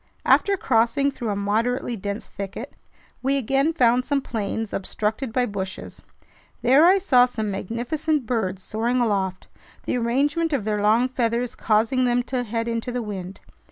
After crossing through a moderately dense thicket, we again found some plains obstructed by bushes. There I saw some magnificent birds soaring aloft, the arrangement of their long feathers causing them to head into the wind.